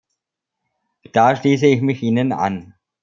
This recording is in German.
Da schließe ich mich Ihnen an.